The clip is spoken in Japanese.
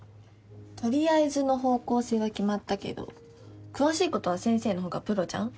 とりあえずの方向性は決まったけど詳しいことは先生の方がプロじゃん。